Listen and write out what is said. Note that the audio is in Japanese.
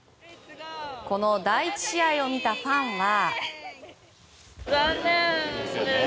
この第１試合を見たファンは。